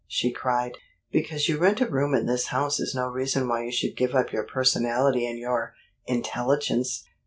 she cried. "Because you rent a room in this house is no reason why you should give up your personality and your intelligence.